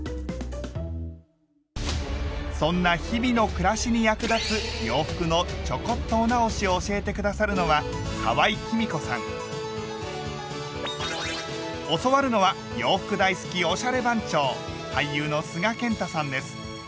そんな日々の暮らしに役立つ洋服のちょこっとお直しを教えて下さるのは教わるのは洋服大好きおしゃれ番長！